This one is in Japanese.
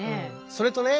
それとね